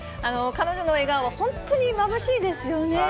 彼女の笑顔は、本当にまぶしいですよね。